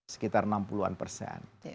sekitar enam puluh an persen